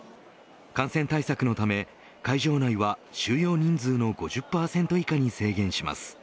感染対策のため会場内は収容人数の５０％以下に制限します。